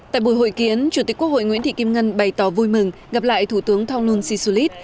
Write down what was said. tại buổi hội kiến chủ tịch quốc hội nguyễn thị kim ngân bày tỏ vui mừng gặp lại thủ tướng thonglun sisulit